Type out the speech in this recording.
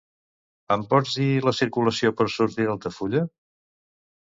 Em pots dir la circulació per sortir d'Altafulla?